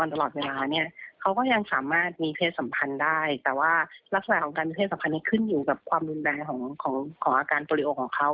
เพราะว่าเพศสัมพันธ์นี้ขึ้นอยู่กับความรุนแรงของอาการโปรโลโอของเขา